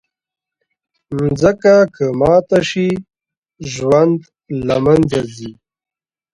مځکه که ماته شي، ژوند له منځه ځي.